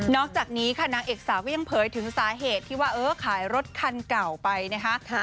อกจากนี้ค่ะนางเอกสาวก็ยังเผยถึงสาเหตุที่ว่าเออขายรถคันเก่าไปนะคะ